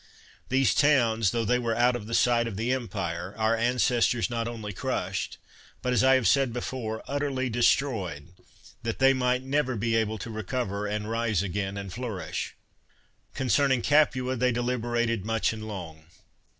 These towns, tho they were out of the sight of the empire, our ancestors not only crushed, but, as I have said before, utterly destroyed, that they might never be able to recover and rise again and flourish. Concerning Capua they deliberated much and long.